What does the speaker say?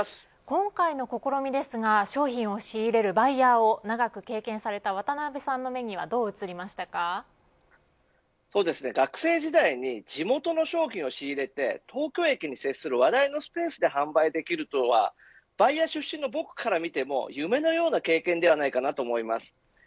今回の試みですが商品を仕入れるバイヤーを長く経験された渡辺さんの目にはどう映りま学生時代に地元の商品を仕入れて東京駅に接する話題のスペースで販売できるとはバイヤー出身の僕から見ても夢のような経験だと思います。